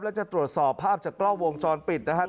แล้วจะตรวจสอบภาพจากกล้องวงจรปิดนะครับ